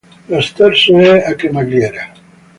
Lo sterzo è a cremagliera.